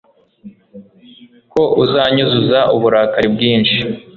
ko uzanyuzuza uburakari bwinshi